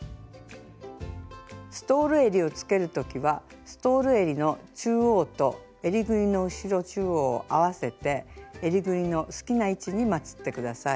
ストールえりをつける時はストールえりの中央とえりぐりの後ろ中央を合わせてえりぐりの好きな位置にまつって下さい。